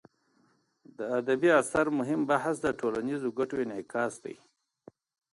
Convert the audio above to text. د ادبي اثر مهم بحث د ټولنیزو ګټو انعکاس دی.